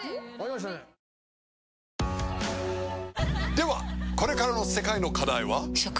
ではこれからの世界の課題は？